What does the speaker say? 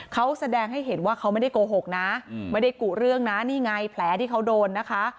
เขาแสดงให้เห็นว่าเขาไม่ได้โกหกนะไม่ได้กุเรื่องนะนี่ไงแผลที่เขาโดนนะคะ